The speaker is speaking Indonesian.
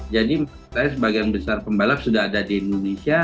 jadi sebagian besar pembalap sudah ada di indonesia